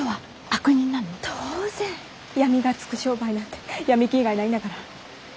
「闇」がつく商売なんて闇金以外ないんだから。